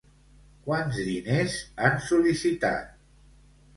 Quants diners han sol·licitat?